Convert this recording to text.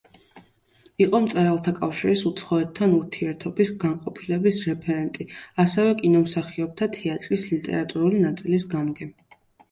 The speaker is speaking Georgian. იყო მწერალთა კავშირის უცხოეთთან ურთიერთობის განყოფილების რეფერენტი, ასევე კინომსახიობთა თეატრის ლიტერატურული ნაწილის გამგე.